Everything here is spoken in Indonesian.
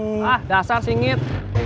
hah dasar singgit